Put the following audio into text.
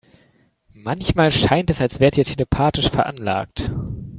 Manchmal scheint es, als wärt ihr telepathisch veranlagt.